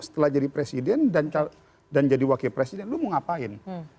setelah jadi presiden dan jadi wakil presiden lu mau ngapain